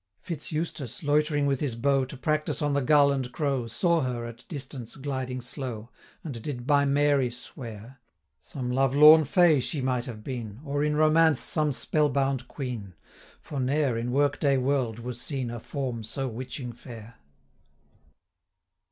Fitz Eustace, loitering with his bow, To practise on the gull and crow, Saw her, at distance, gliding slow, And did by Mary swear, 95 Some love lorn Fay she might have been, Or, in Romance, some spell bound Queen; For ne'er, in work day world, was seen A form so witching fair.